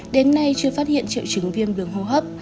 đến nay chưa phát hiện triệu chứng viêm đường hô hấp